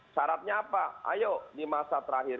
syaratnya apa ayo di masa terakhir